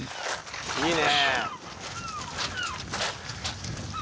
いいね！